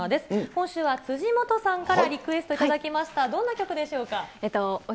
今週は辻元さんからリクエストいただきました、どんな曲でしょうか？